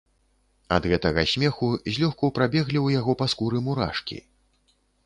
Ад гэтага смеху злёгку прабеглі ў яго па скуры мурашкі.